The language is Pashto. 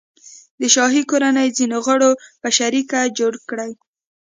د شاهي کورنۍ ځینو غړو په شریکه جوړې کړي.